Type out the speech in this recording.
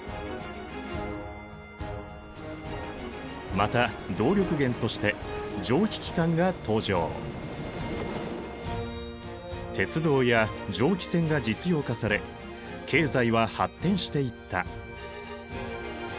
また鉄道や蒸気船が実用化され経済は発展していった。